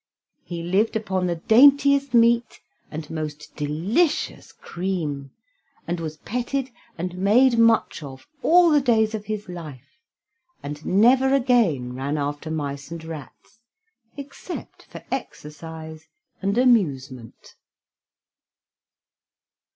He lived upon the daintiest meat and most delicious cream, and was petted and made much of all the days of his life, and never again ran after mice and rats, except for exercise and amusement.